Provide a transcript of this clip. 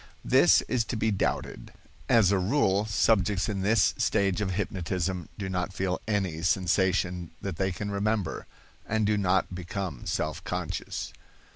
(This is to be doubted. As a rule, subjects in this stage of hypnotism do not feel any sensation that they can remember, and do not become self conscious.)